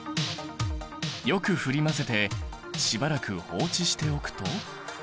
よく振り混ぜてしばらく放置しておくと。